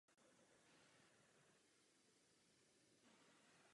Nešetřeme jím zbytečně.